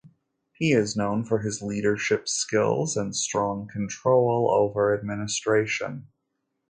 He is known for his leadership skills and strong control over administration.